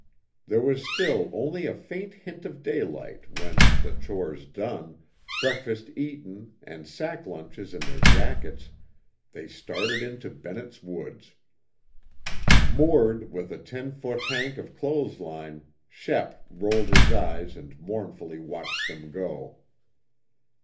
There was still only a faint hint of daylight when, the chores done, breakfast eaten and sack lunches in their jackets, they started into Bennett's Woods. Moored with a ten foot hank of clothesline, Shep rolled his eyes and mournfully watched them go.